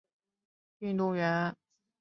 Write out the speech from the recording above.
何丽萍是一名中国女子垒球运动员。